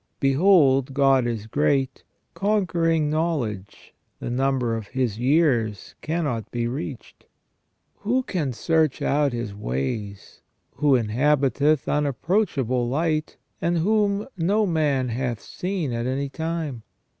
Behold God is great, conquering know ledge, the number of His years cannot be reached ?" Who can search out His ways, who " inhabiteth unapproachable light," and whom "no man hath seen at any time"?